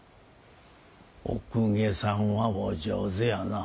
お公家さんはお上手やなぁ。